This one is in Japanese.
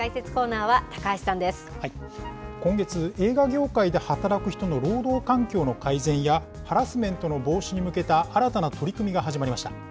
今月、映画業界で働く人の労働環境の改善や、ハラスメントの防止に向けた新たな取り組みが始まりました。